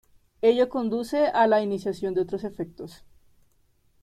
Ello conduce a la iniciación de otros efectos.